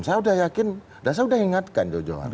saya udah ingatkan